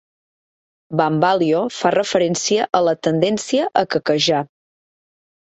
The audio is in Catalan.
"Bambalio" fa referència a la tendència a quequejar.